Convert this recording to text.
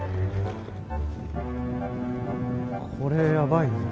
これやばい。